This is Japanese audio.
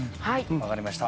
分かりました。